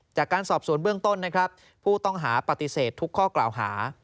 จากการสอบสวนเบื้องต้นนะครับผู้ต้องหาปฏิเสธทุกข้อกล่าวหา